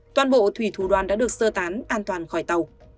toàn bộ thủy thủ đoàn đã được sơ tán an toàn khỏi tàu